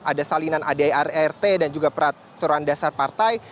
ada salinan adir ert dan juga peraturan dasar partai